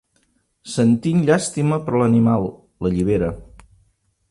Sentint llàstima per l'animal, l'allibera.